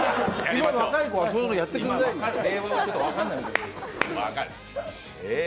今の若い子は、そういうのやってくれないのよ。